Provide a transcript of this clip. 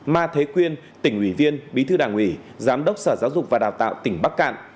ma thế quyên tỉnh ủy viên bí thư đảng ủy giám đốc sở giáo dục và đào tạo tỉnh bắc cạn